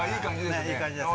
いい感じですね。